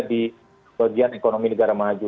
keluargaan ekonomi negara maju